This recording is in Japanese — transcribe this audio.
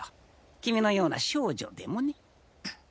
君のような少女でもね。